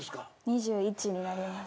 ２１になります。